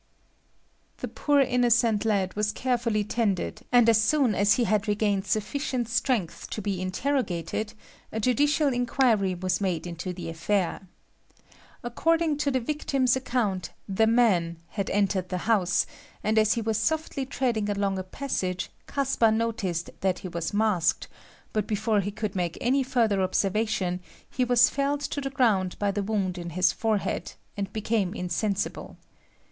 The poor innocent lad was carefully tended, and as soon as he had regained sufficient strength to be interrogated a judicial inquiry was made into the affair. According to the victim's account, "the man" had entered the house, and as he was softly treading along a passage Caspar noticed that he was masked, but before he could make any further observation he was felled to the ground by the wound in his forehead, and became insensible.